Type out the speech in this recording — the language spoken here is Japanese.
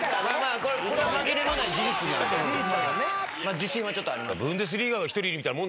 自信はちょっとあります。